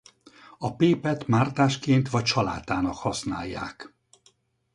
A pépet mártásként vagy salátának használják.